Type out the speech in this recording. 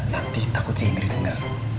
nanti takut sih indri denger